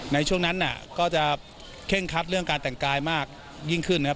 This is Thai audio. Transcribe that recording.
ในช่วงนั้นก็จะเคร่งคัดเรื่องการแต่งกายมากยิ่งขึ้นนะครับ